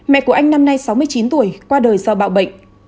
mẹ của anh năm nay sáu mươi chín tuổi qua đời do bạo bệnh